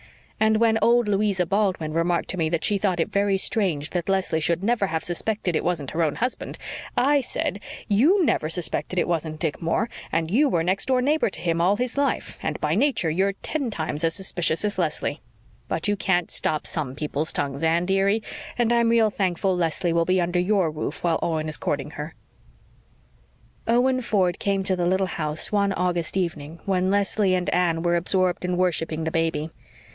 And when old Louisa Baldwin remarked to me that she thought it very strange that Leslie should never have suspected it wasn't her own husband I said, 'YOU never suspected it wasn't Dick Moore, and you were next door neighbor to him all his life, and by nature you're ten times as suspicious as Leslie.' But you can't stop some people's tongues, Anne, dearie, and I'm real thankful Leslie will be under your roof while Owen is courting her." Owen Ford came to the little house one August evening when Leslie and Anne were absorbed in worshipping the baby.